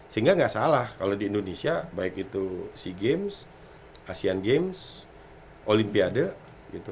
sehingga nggak salah kalau di indonesia baik itu sea games asean games olimpiade gitu